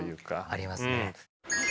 ありますね。